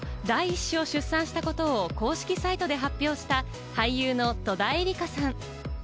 昨日第１子を出産したことを公式サイトで発表した俳優の戸田恵梨香さん。